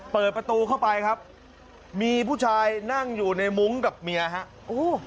เปิดประตูเข้าไปครับมีผู้ชายนั่งอยู่ในมุ้งกับเมียฮะโอ้